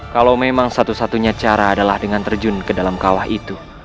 kalau memang satu satunya cara adalah dengan terjun ke dalam kawah itu